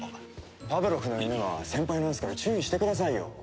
パブロフの犬は先輩なんすから注意してくださいよ。